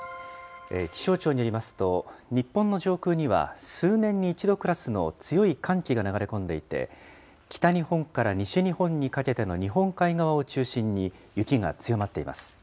気象庁によりますと、日本の上空には、数年に一度クラスの強い寒気が流れ込んでいて、北日本から西日本にかけての日本海側を中心に雪が強まっています。